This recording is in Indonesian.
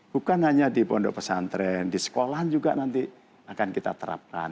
bukan hanya di pondok pesantren di sekolah juga nanti akan kita terapkan